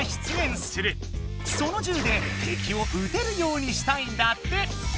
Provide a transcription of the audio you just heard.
そのじゅうで敵をうてるようにしたいんだって。